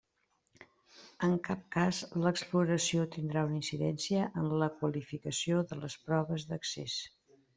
En cap cas l'exploració tindrà una incidència en la qualificació de les proves d'accés.